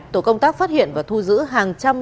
tổ công tác phát hiện và thu giữ hàng trăm